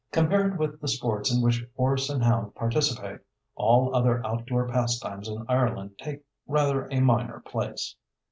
Compared with the sports in which horse and hound participate, all other outdoor pastimes in Ireland take rather a minor place.